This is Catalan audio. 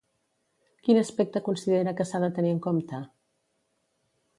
Quin aspecte considera que s'ha de tenir en compte?